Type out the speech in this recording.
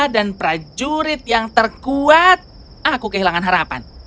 dan prajurit yang terkuat aku kehilangan harapan